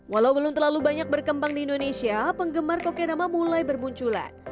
walau belum terlalu banyak berkembang di indonesia penggemar kokedama mulai bermunculan